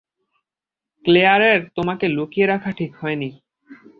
ক্লেয়ারের তোমাকে লুকিয়ে রাখা ঠিক হয়নি।